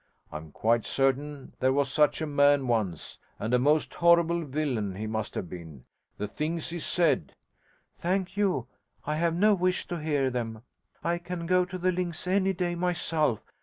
I am quite certain there was such a man once, and a most horrible villain he must have been. The things he said ' 'Thank you, I have no wish to hear them. I can go to the links any day myself.